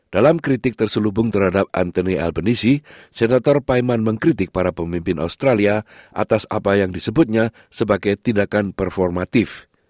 dalam kritik terselubung terhadap anthony elvenisi senator paiman mengkritik para pemimpin australia atas apa yang disebutnya sebagai tindakan performatif